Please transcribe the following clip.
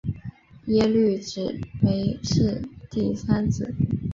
耶律只没是第三子。